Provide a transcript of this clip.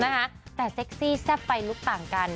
นะคะแต่เซ็กซี่แซ่บไฟลุคต่างกัน